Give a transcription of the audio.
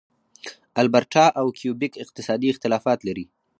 البرټا او کیوبیک اقتصادي اختلافات لري.